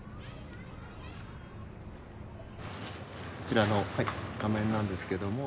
こちらの画面なんですけども。